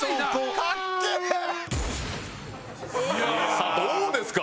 さあどうですか？